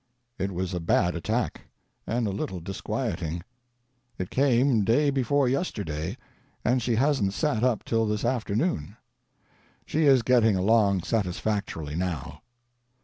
It was a bad attack, and a little disqtiieting. It came day before yesterday, and she hasn't sat up till this afternoon. She is getting dong satisfactorily, now.